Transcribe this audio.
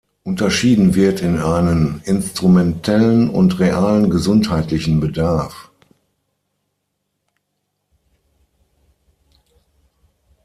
Unterschieden wird in einen instrumentellen und realen gesundheitlichen Bedarf.